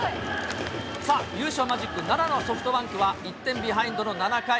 さあ、優勝マジック７のソフトバンクは、１点ビハインドの７回。